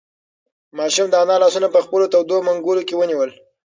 ماشوم د انا لاسونه په خپلو تودو منگولو کې ونیول.